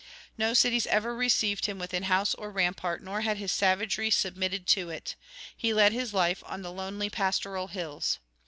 No cities ever received him within house or rampart, nor had his savagery submitted to it; he led his life on the lonely pastoral hills.